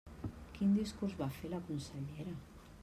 Quin discurs va fer la consellera?